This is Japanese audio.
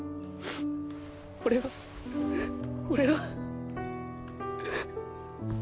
俺は俺は。